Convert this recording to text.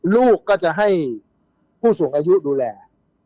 ลูกก็จะให้ผู้สูงอายุดูแล